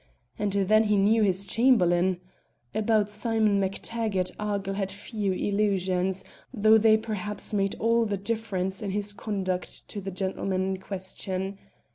And then he knew his Chamberlain. About Simon MacTaggart Argyll had few illusions, though they perhaps made all the difference in his conduct to the gentleman in question.